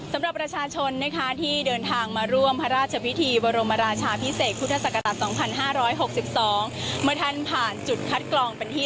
สำหรับประชาชนที่เดินทางมาร่วมพระราชพิธี